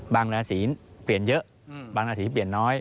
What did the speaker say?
ราศีเปลี่ยนเยอะบางราศีเปลี่ยนน้อย